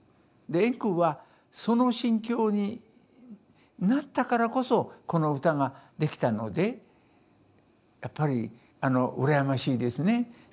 で円空はその心境になったからこそこの歌ができたのでやっぱりあの羨ましいですね。